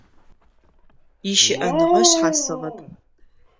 Ищыӏэныгъэ шъхьасыгъэп…